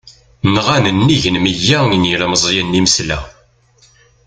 Nɣan nnig n miyya n yilmeẓyen imelsa.